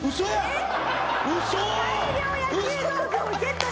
えっ？